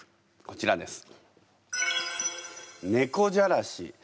こちらです。